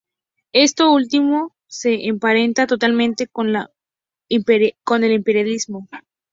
Esto último se emparenta totalmente con el imperialismo.